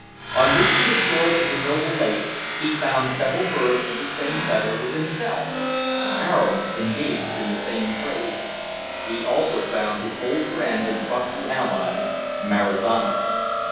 On reaching the shores of the noble lake, he found several birds of the same feather with himself Arabs engaged in the same trade. He also found his old friend and trusty ally, Marizano.